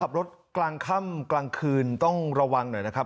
กลางค่ำกลางคืนต้องระวังหน่อยนะครับ